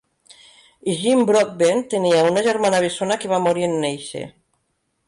Jim Broadbent tenia una germana bessona que va morir en néixer.